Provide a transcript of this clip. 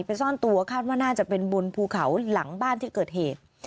ซ่อนตัวคาดว่าน่าจะเป็นบนภูเขาหลังบ้านที่เกิดเหตุ